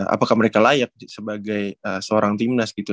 apakah mereka layak sebagai seorang timnas gitu